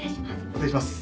失礼します。